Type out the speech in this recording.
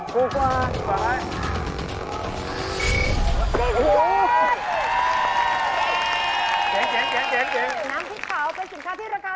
ถูกกว่า